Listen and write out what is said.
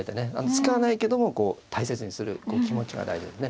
使わないけども大切にする気持ちが大事ですね。